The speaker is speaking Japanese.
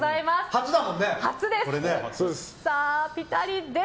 初だもんね、これ。